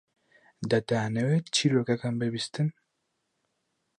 دەتانەوێت چیرۆکەکەم ببیستن؟